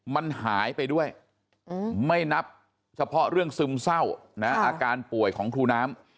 มันหายไปด้วยไม่นับเฉพาะเรื่องซึมเศร้านะอาการป่วยของครูน้ำ